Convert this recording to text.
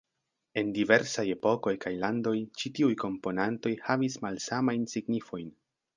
En diversaj epokoj kaj landoj ĉi-tiuj komponantoj havis malsamajn signifojn.